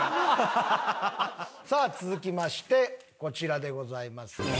さあ続きましてこちらでございます。